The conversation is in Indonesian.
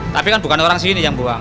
tapi kan bukan orang sini yang buang